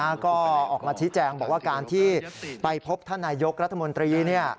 ก็ออกมาชี้แจงบอกว่าการที่ไปพบท่านนายกรัฐมนตรีเนี่ย